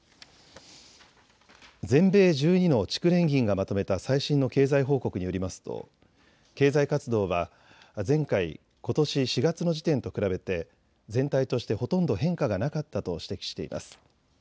全米１２の地区連銀がまとめた最新の経済報告によりますと経済活動は前回、ことし４月の時点と比べて全体としてほとんど変化がなかったと指摘しています。